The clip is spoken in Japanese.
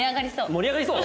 盛り上がりそう？